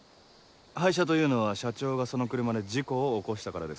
廃車というのは社長がその車で事故を起こしたからですか？